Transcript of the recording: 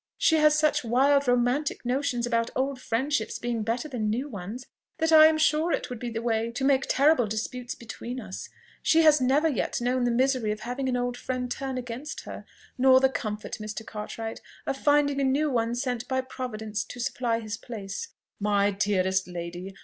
She has such wild romantic notions about old friendships being better than new ones, that I am sure it would be the way to make terrible disputes between us. She has never yet known the misery of having an old friend turn against her, nor the comfort, Mr. Cartwright, of finding a new one sent by Providence to supply his place!" "My dearest lady!